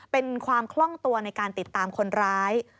เป็นความคล่องตัวในการติดตามคนร้าย